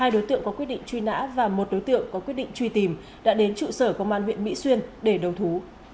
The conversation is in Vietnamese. hai đối tượng có quyết định truy nã và một đối tượng có quyết định truy tìm đã đến trụ sở công an huyện mỹ xuyên để đầu thú